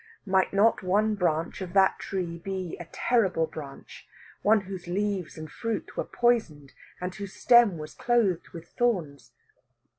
Might not one branch of that tree be a terrible branch one whose leaves and fruit were poisoned and whose stem was clothed with thorns?